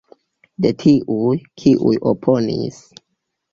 De tiuj, kiuj oponis.